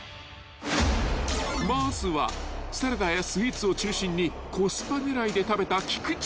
［まずはサラダやスイーツを中心にコスパ狙いで食べた菊地］